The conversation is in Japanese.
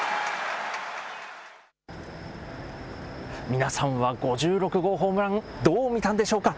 皆さんは５６号ホームラン、どう見たんでしょうか。